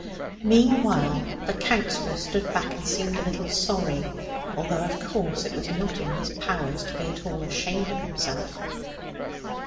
Meanwhile the Counsellor stood back, and seemed a little sorry; although of course it was not in his power to be at all ashamed of himself.